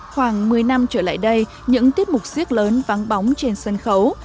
khoảng một mươi năm trở lại đây những tiết mục siếc lớn vắng bóng trên sân khấu